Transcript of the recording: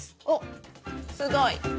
おっすごい。